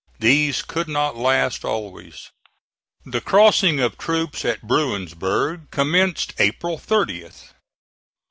These could not last always. The crossing of troops at Bruinsburg commenced April 30th.